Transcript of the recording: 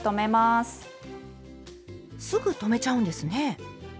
すぐ止めちゃうんですね。